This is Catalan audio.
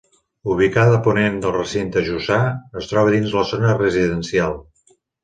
Ubicada a ponent del recinte jussà, es troba dins la zona residencial.